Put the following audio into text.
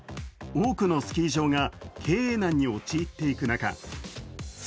多くのスキー場が経営難に陥っていく中